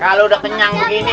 kalau udah kenyang begini